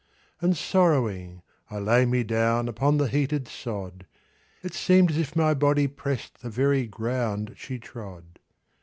And sorrowing I lay me down Upon the heated sod: It seemed as if my body pressed The very ground she trod.